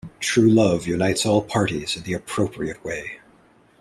True love unites all parties in the appropriate way!